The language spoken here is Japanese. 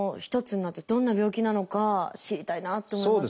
どんな病気なのか知りたいなって思います。